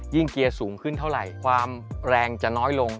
เกียร์สูงขึ้นเท่าไหร่ความแรงจะน้อยลง